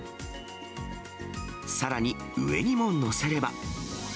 さらに上にも載せれば。